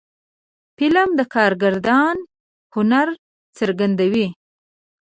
فلم د کارگردان هنر څرګندوي